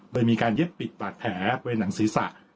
โดยมีการเย็บปิดบาดแผลเวยหนังศีรษะ